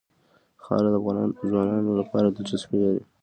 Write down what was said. خاوره د افغان ځوانانو لپاره دلچسپي لري.